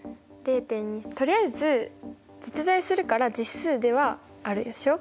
とりあえず実在するから実数ではあるでしょ。